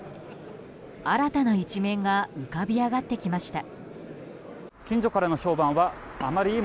新たな一面が浮かび上がってきました。